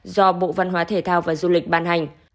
do bộ văn hóa thể thao và du lịch ban hành